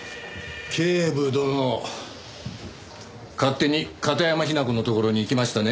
警部殿勝手に片山雛子のところに行きましたね？